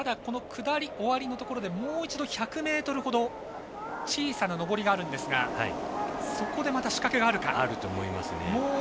下り終わりのところでもう一度、１００ｍほど小さな上りがあるんですがそこでまた仕掛けがあるか。